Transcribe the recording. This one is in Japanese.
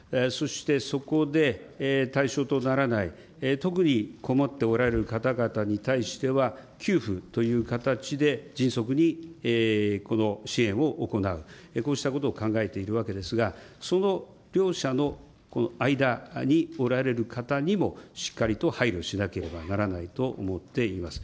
そこで対象とならない、特に困っておられる方々に対しては、給付という形で迅速にこの支援を行う、こうしたことを考えているわけですが、その両者の間におられる方にも、しっかりと配慮しなければならないと思っています。